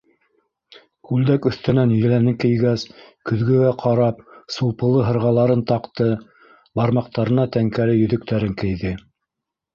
Күлдәк өҫтөнән еләнен кейгәс, көҙгөгә ҡарап, сулпылы һырғаларын таҡты, бармаҡтарына тәңкәле йөҙөктәрен кейҙе.